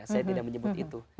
saya tidak menyebut itu